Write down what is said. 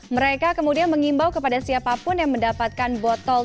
mereka kemudian mengimbau kepada siapapun yang mendapatkan botol